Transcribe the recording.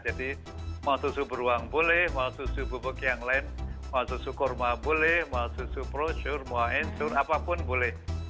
jadi mau susu beruang boleh mau susu bubuk yang lain mau susu kurma boleh mau susu prosur moa encur apapun boleh